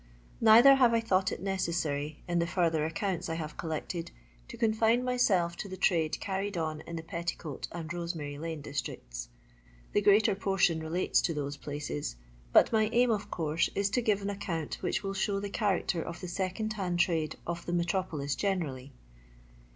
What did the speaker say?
Neither have I thought it necessary, in the further accounts I have col lected, to confine myself to the trade carried on in the Petticoat and Rosemary lane districts. The greater portion relates to those places, but my aim, of course, is to give an account which will show the chnracter of the second band trade of the me tropolis generally.